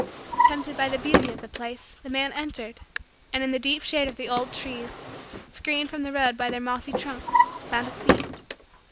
Tempted by the beauty of the place the man entered, and, in the deep shade of the old trees, screened from the road by their mossy trunks, found a seat.